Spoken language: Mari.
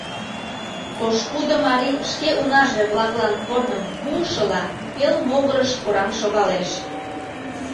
Пошкудо марий шке унаже-влаклан корным пуышыла пел могырыш кораҥ шогалеш.